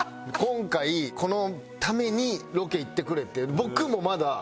今回このためにロケ行ってくれて。